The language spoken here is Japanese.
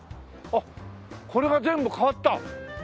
あっこれが全部変わった。